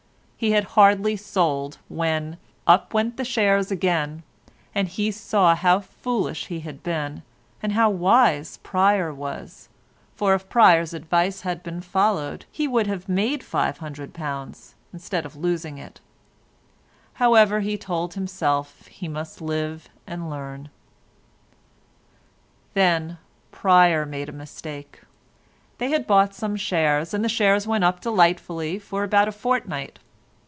He had hardly sold when up went the shares again, and he saw how foolish he had been, and how wise Pryer was, for if Pryer's advice had been followed, he would have made £500, instead of losing it. However, he told himself he must live and learn. Then Pryer made a mistake. They had bought some shares, and the shares went up delightfully for about a fortnight.